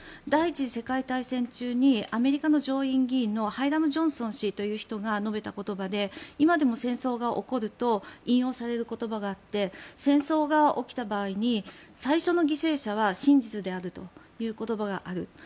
第一次世界大戦中にアメリカの上院議員のハイラム・ジョンソン氏という人が述べた言葉で今でも戦争が起こると引用される言葉があって戦争が起きた場合に最初の犠牲者は真実であるという言葉がある。